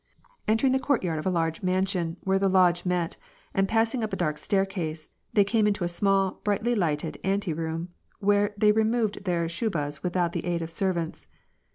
Entering the courtyard of a large mansion, where the Lodge met, and passing up a dark staircase, they came into a small, brightly lighted anteroom, where they removed their shuhas without the aid of servants.